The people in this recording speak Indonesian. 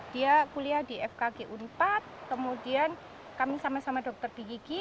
dia kuliah di fkgu empat kemudian kami sama sama dokter di gigi